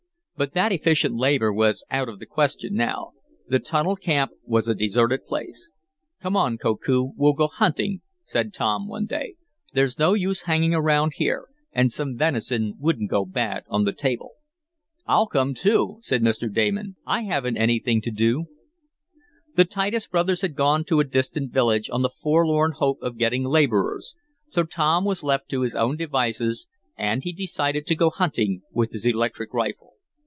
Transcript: But that efficient labor was out of the question now. The tunnel camp was a deserted place. "Come on, Koku, we'll go hunting," said Tom one day. "There's no use hanging around here, and some venison wouldn't go bad on the table." "I'll come, too," said Mr. Damon. "I haven't anything to do." The Titus brothers had gone to a distant village, on the forlorn hope of getting laborers, so Tom was left to his own devices, and he decided to go hunting with his electric rifle.